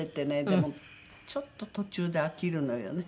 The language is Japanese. でもちょっと途中で飽きるのよね。